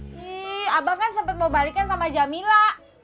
hii abang kan sempet mau balikan sama jamila